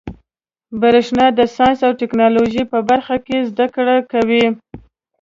برېښنا د ساینس او ټيکنالوجۍ په برخه کي زده کړي کوي.